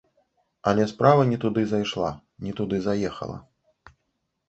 Але справа не туды зайшла, не туды заехала.